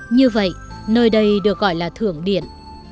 như vậy nơi đây được gọi là thượng điện